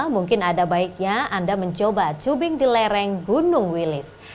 mungkin ada baiknya anda mencoba cubing di lereng gunung wilis